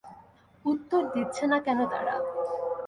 উত্তর দিচ্ছে না কেন তারা?